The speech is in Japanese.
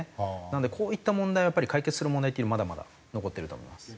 なのでこういった問題は解決する問題っていうのはまだまだ残ってると思います。